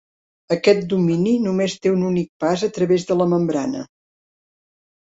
Aquest domini només té un únic pas a través de la membrana.